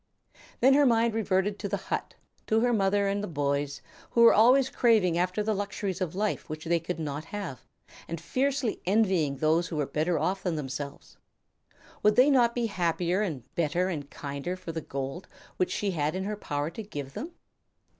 Then her mind reverted to the hut, to her mother and the boys, who were always craving after the luxuries of life which they could not have, and fiercely envying those who were better off than themselves. Would they not be happier and better and kinder for the gold which she had it in her power to give them?